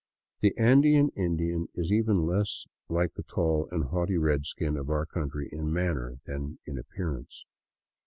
The Andean Indian is even less like the tall and haughty redskin of our country in manner than in appearance.